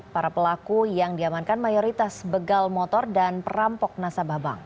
para pelaku yang diamankan mayoritas begal motor dan perampok nasabah bank